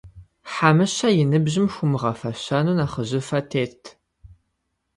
Хьэмыщэ и ныбжьым хуумыгъэфэщэну нэхъыжьыфэ тетт.